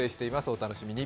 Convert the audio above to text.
お楽しみに。